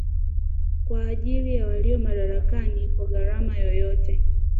kwa ajili ya walio madarakani kwa gharama yoyote